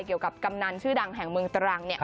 เกี่ยวกับกำนันชื่อดังแห่งเมืองตรัง